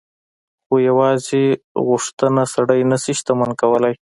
خو يوازې غوښتنه سړی نه شي شتمن کولای.